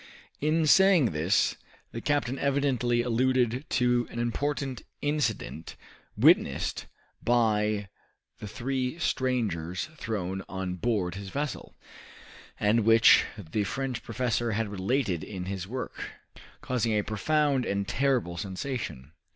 In saying this, the captain evidently alluded to an important incident witnessed by the three strangers thrown on board his vessel, and which the French professor had related in his work, causing a profound and terrible sensation.